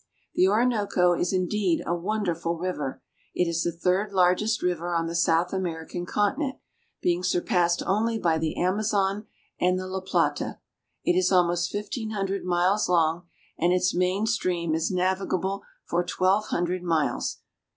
The Orinoco is indeed a wonderful river. It is the third largest river on the South American continent, being surpassed only by the Amazon and the La Plata. It is almost fifteen hundred miles long, and its main stream is navigable for twelve hundred miles.